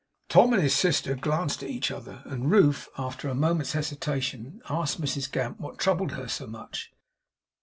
Tom and his sister glanced at each other; and Ruth, after a moment's hesitation, asked Mrs Gamp what troubled her so much.